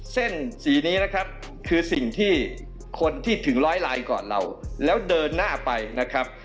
เส้นสีนี้นะครับคือสิ่งที่คนที่ถึงร้อยลายก่อนเราแล้วเดินหน้าไปนะครับ